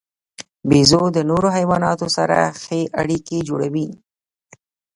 بیزو د نورو حیواناتو سره ښې اړیکې جوړوي.